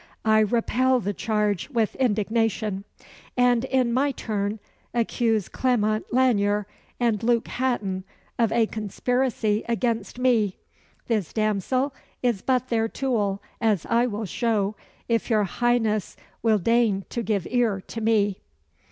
"I repel the charge with indignation; and, in my turn, accuse Clement Lanyere and Luke Hatton of a conspiracy against me. This damsel is but their tool, as I will show, if your Highness will deign to give ear to me."